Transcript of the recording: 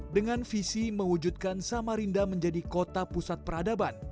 dengan visi mewujudkan samarinda menjadi kota pusat peradaban